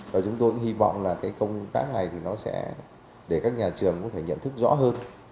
và chúng tôi cũng hy vọng là cái công tác này thì nó sẽ để các nhà trường có thể nhận thức rõ hơn